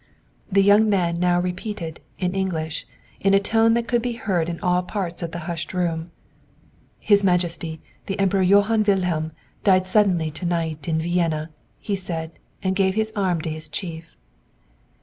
The young man now repeated, in English, in a tone that could be heard in all parts of the hushed room: "His Majesty, the Emperor Johann Wilhelm, died suddenly to night, in Vienna," he said, and gave his arm to his chief.